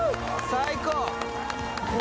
最高！